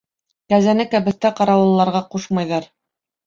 Кәзәне кәбеҫтә ҡарауылларға ҡушмайҙар.